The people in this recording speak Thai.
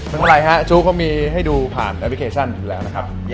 ไม่เป็นไรฮะจู้เขามีให้ดูผ่านแอปพลิเคชันอยู่แล้วนะครับ